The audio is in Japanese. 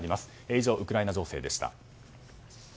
以上、ウクライナ情勢でした。